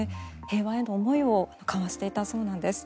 平和への思いを交わしていたそうなんです。